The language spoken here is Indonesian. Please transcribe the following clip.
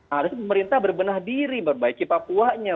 harus pemerintah berbenah diri berbaiki papuanya